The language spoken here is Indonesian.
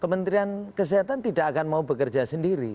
kementerian kesehatan tidak akan mau bekerja sendiri